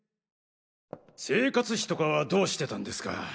生活費とかはどうしてたんですか？